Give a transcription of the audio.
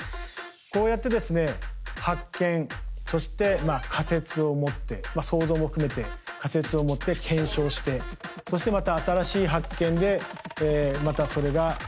こうやってですね発見そして仮説を持って想像も含めて仮説を持って検証してそしてまた新しい発見でまたそれが謎が深まっていく。